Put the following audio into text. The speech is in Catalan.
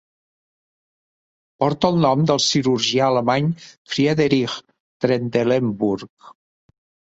Porta el nom del cirurgià alemany Friedrich Trendelenburg.